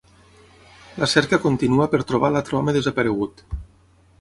La cerca continua per trobar l’altre home desaparegut.